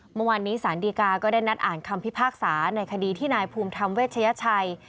เมื่อวานนี้สารดีกาก็ได้นัดอ่านคำพิพากษาในคดีที่นายภูมิธรรมเวชยชัย